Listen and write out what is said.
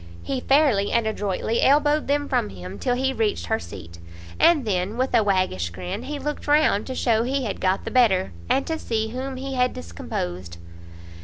he fairly and adroitly elbowed them from him till he reached her seat; and then, with a waggish grin, he looked round, to show he had got the better, and to see whom he had discomposed.